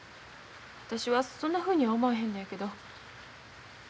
私はそんなふうには思わへんねやけど。